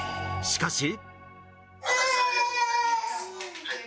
しかし。